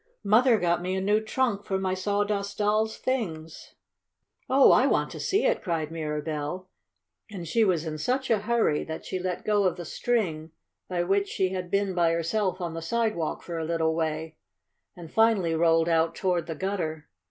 "Mother got me a new trunk for my Sawdust Doll's things." "Oh, I want to see it!" cried Mirabell, and she was in such a hurry that she let go of the string by which she had been by herself on the sidewalk for a little way, and finally rolled out toward the gutter.